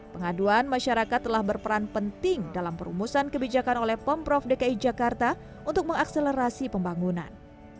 pengaduan masyarakat telah berperan penting dalam perumusan kebijakan oleh pemprov dki jakarta untuk mengakselerasi pembangunan